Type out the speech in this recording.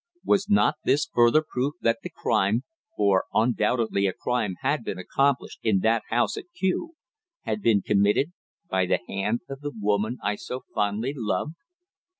Was not this further proof that the crime for undoubtedly a crime had been accomplished in that house at Kew had been committed by the hand of the woman I so fondly loved?